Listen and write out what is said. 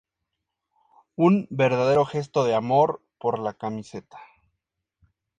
Un verdadero gesto de amor por la camiseta.